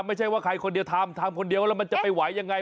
ไม่ใช่ว่าใครคนเดียวทำทำคนเดียวแล้วมันจะไปไหวยังไง